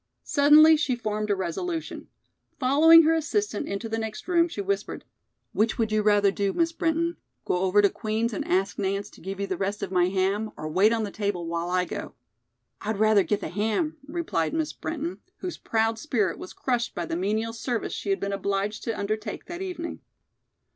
Suddenly she formed a resolution. Following her assistant into the next room, she whispered: "Which would you rather do, Miss Brinton? Go over to Queen's and ask Nance to give you the rest of my ham or wait on the table while I go?" "I'd rather get the ham," replied Miss Brinton, whose proud spirit was crushed by the menial service she had been obliged to undertake that evening.